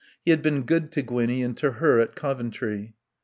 He had been good to Gwinnie and to her at Coventry.